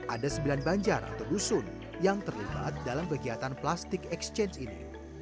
ada sembilan banjar atau dusun yang terlibat dalam kegiatan plastik exchange ini